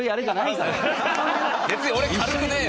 別に俺軽くねえよ！